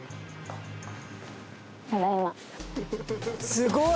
すごい。